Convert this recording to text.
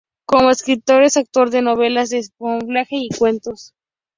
Como escritor, es autor de novelas de espionaje y cuentos.